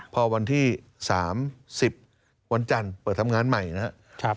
พอวันที่๓๐วันจันทร์เปิดทำงานใหม่นะครับ